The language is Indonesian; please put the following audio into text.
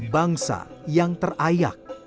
bangsa yang terayak